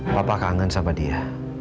papa kangen sama dia